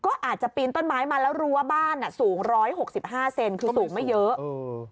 ก็อาจจะปีนต้นไม้มาแล้วรู้ว่าบ้านสูง๑๖๕เซนคือสูงไม่เยอะ